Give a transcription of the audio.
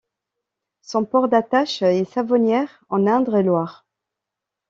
Son port d'attache est Savonnières en Indre-et-Loire.